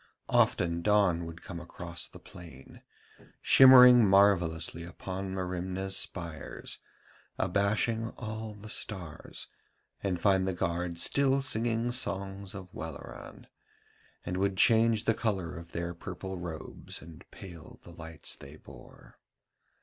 Often dawn would come across the plain, shimmering marvellously upon Merimna's spires, abashing all the stars, and find the guard still singing songs of Welleran, and would change the colour of their purple robes and pale the lights they bore.